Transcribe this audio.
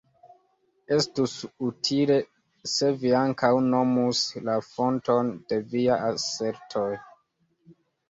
Estus utile, se vi ankaŭ nomus la fonton de viaj asertoj.